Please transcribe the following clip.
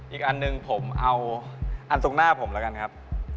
อีกอันหนึ่งผมเอาอันตรงหน้าผมแล้วกันครับ